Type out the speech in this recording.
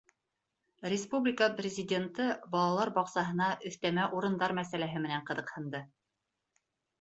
Республика Президенты балалар баҡсаһына өҫтәмә урындар мәсьәләһе менән ҡыҙыҡһынды.